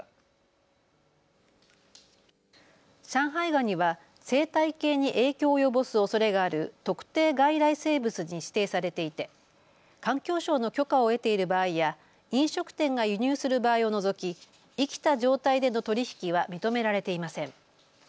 ガニは生態系に影響を及ぼすおそれがある特定外来生物に指定されていて環境省の許可を得ている場合や飲食店が輸入する場合を除き生きた状態での取り引きは認められていません。